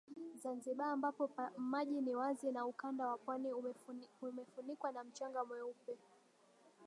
Zanzibar ambapo maji ni wazi na ukanda wa pwani umefunikwa na mchanga mweupe